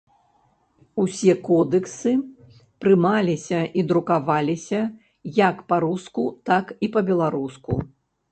Усе кодэксы прымаліся і друкаваліся як па-руску, так і па-беларуску.